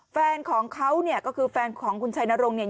แฟนของเขาก็คือแฟนของคุณชายนรงค์